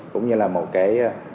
cũng như là một cái